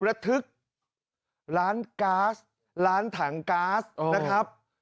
ระทึกร้านก๊าซร้านถังก๊าซนะครับ